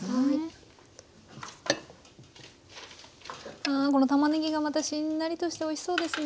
あこのたまねぎがまたしんなりとしておいしそうですね。